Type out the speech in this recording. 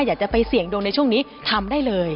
อยากจะไปเสี่ยงดวงในช่วงนี้ทำได้เลย